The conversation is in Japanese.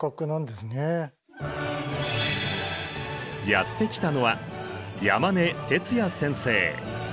やって来たのは山根徹也先生。